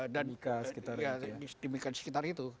dan di sekitar itu